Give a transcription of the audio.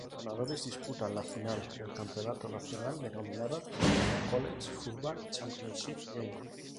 Los ganadores disputan la final del campeonato nacional, denominada College Football Championship Game.